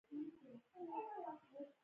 هو، ټیکټ می اخیستی دی